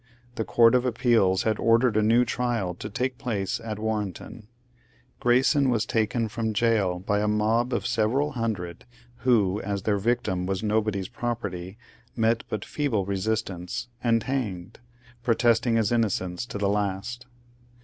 The Court of Appeals had ordered a new trial, to take place at Warrenton. Grayson was taken from gaol by a mob of several hundred who, as their victim was nobody's property, met but feeble resistance, and hanged, — protesting his innocence to the last.